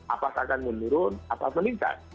apakah akan menurun atau meningkat